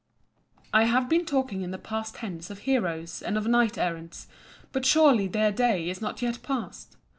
I have been talking in the past tense of heroes and of knight errants, but surely their day is not yet passed.